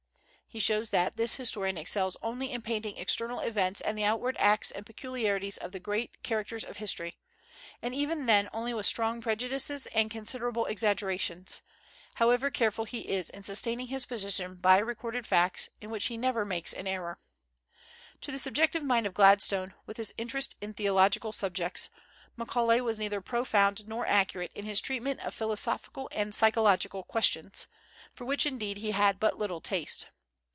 He shows that this historian excels only in painting external events and the outward acts and peculiarities of the great characters of history, and even then only with strong prejudices and considerable exaggerations, however careful he is in sustaining his position by recorded facts, in which he never makes an error. To the subjective mind of Gladstone, with his interest in theological subjects, Macaulay was neither profound nor accurate in his treatment of philosophical and psychological questions, for which indeed he had but little taste.